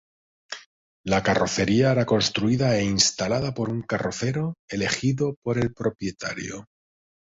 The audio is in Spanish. La carrocería era construida e instalada por un carrocero elegido por el propietario.